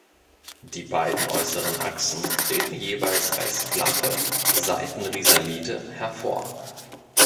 Die beiden äußeren Achsen treten jeweils als flache Seitenrisalite hervor.